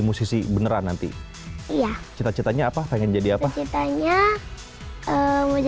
musisi beneran nanti cita citanya apa pengen jadi apa kita nanya